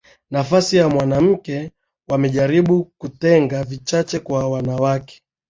nafasi ya mwanamke wamejaribu kutenga vichache kwa wanawake